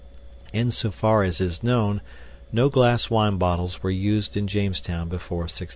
Insofar as is known, no glass wine bottles were used at Jamestown before 1640.